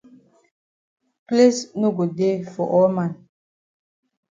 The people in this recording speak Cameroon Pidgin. Place no go dey for all man.